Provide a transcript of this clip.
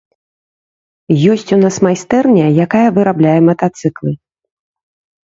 Ёсць у нас майстэрня, якая вырабляе матацыклы.